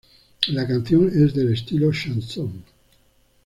La canción es del estilo "chanson".